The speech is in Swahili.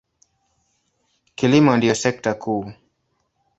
Kilimo ndiyo sekta kuu.